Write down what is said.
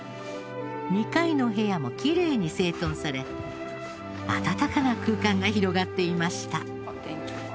２階の部屋もきれいに整頓され温かな空間が広がっていました